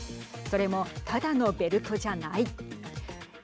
それも、ただのベルトじゃない。